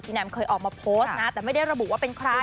แมมเคยออกมาโพสต์นะแต่ไม่ได้ระบุว่าเป็นใคร